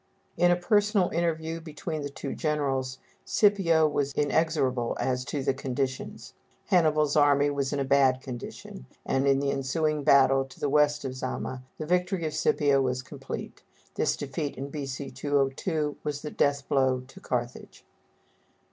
In a personal interview between the two generals Scipio was inexorable as to the conditions. Hannibal's army was in a bad condition; and in the ensuing battle, to the west of Zama, the victory of Scipio was complete. This defeat (in B.C. 202) was the death blow to Carthage.